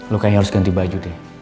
lu kayaknya harus ganti baju deh